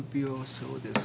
そうですか。